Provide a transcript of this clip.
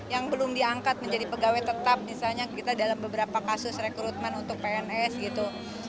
yang belum diangkat menjadi pegawai tetap misalnya kita dalam beberapa kasus rekrutmen untuk pns gitu